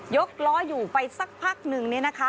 กล้ออยู่ไปสักพักนึงเนี่ยนะคะ